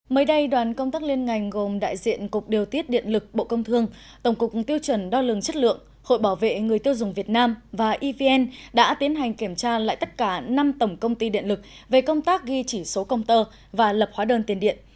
mới đây đoàn công tác liên ngành gồm đại diện cục điều tiết điện lực bộ công thương tổng cục tiêu chuẩn đo lường chất lượng hội bảo vệ người tiêu dùng việt nam và evn đã tiến hành kiểm tra lại tất cả năm tổng công ty điện lực về công tác ghi chỉ số công tơ và lập hóa đơn tiền điện